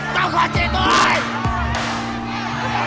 jangan ke situ cokot